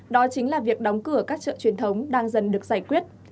đó chính là việc đóng cửa các chợ truyền thống đang dần được giải quyết